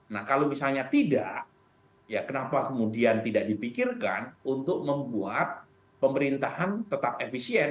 nah kalau misalnya tidak ya kenapa kemudian tidak dipikirkan untuk membuat pemerintahan tetap efisien